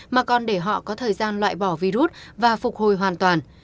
mà còn để họ có thời gian loại bỏ virus và phục hồi hoàn toàn